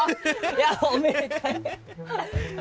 いやおめでたい！